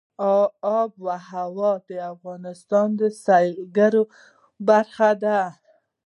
آب وهوا د افغانستان د سیلګرۍ برخه ده.